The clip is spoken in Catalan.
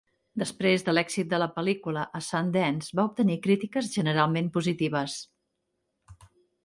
Després de l'èxit de la pel·lícula a Sundance, va obtenir crítiques generalment positives.